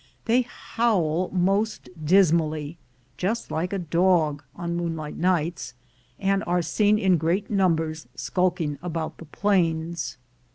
They howl most dismally, just like a dog, on moonlight nights, and are seen in great numbers skulking about the plains.